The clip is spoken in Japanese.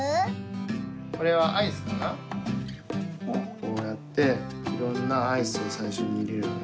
こうやっていろんなアイスをさいしょにいれるのね